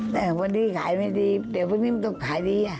แต่วันนี้ขายไม่ดีเดี๋ยวพรุ่งนี้มันต้องขายดี